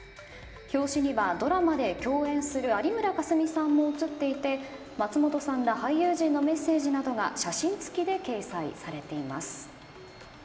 表紙には、ドラマで共演する有村架純さんも写っていて松本さんら俳優陣のメッセージなどが写真付きで掲載されています。